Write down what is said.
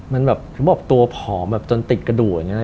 มันแบบไม่แบบตัวผอมจนติดกระดูกเจ็บ